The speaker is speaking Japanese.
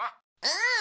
うん！